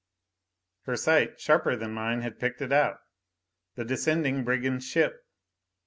Her sight, sharper than mine, had picked it out. The descending brigand ship!